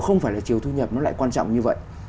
không phải là chiều thu nhập nó lại quan trọng như vậy